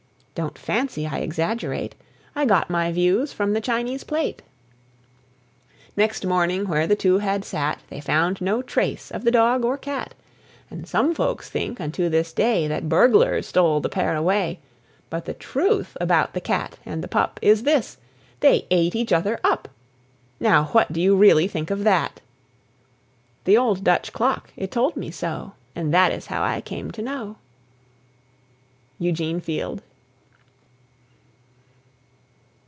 (Don't fancy I exaggerate! I got my views from the Chinese plate!) Next morning where the two had sat They found no trace of the dog or cat; And some folks think unto this day That burglars stole the pair away! But the truth about the cat and the pup Is this: They ate each other up! Now what do you really think of that! (The old Dutch clock it told me so, And that is how I came to know.) EUGENE FIELD.